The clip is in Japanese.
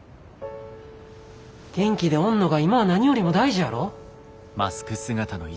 元気でおんのが今は何よりも大事やろ。